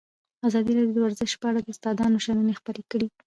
ازادي راډیو د ورزش په اړه د استادانو شننې خپرې کړي.